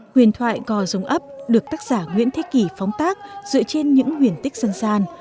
huyền thoại gò rồng ấp được tác giả nguyễn thế kỷ phóng tác dựa trên những huyền tích sân gian